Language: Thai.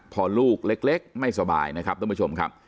พอลูกเล็กไม่สบายนะครับต้องมาชมครับ